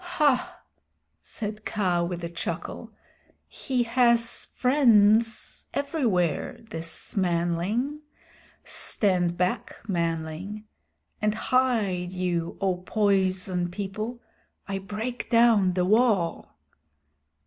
"Hah!" said Kaa with a chuckle, "he has friends everywhere, this manling. Stand back, manling. And hide you, O Poison People. I break down the wall."